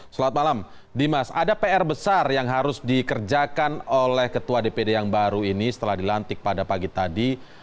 selamat malam dimas ada pr besar yang harus dikerjakan oleh ketua dpd yang baru ini setelah dilantik pada pagi tadi